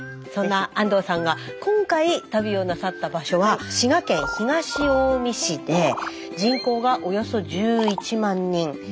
そんな安藤さんが今回旅をなさった場所は滋賀県東近江市で人口がおよそ１１万人。